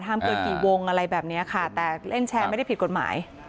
ทำเกินกี่วงอะไรแบบนี้ค่ะแต่เล่นแชร์ไม่ได้ผิดกฎหมาย